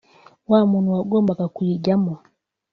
wa muntu wagombaga kuyijyamo